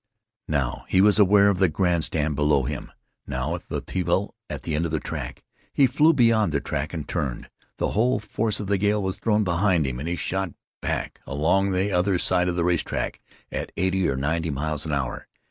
Now, he was aware of the grand stand below him. Now, of the people at the end of the track. He flew beyond the track, and turned. The whole force of the gale was thrown behind him, and he shot back along the other side of the race track at eighty or ninety miles an hour.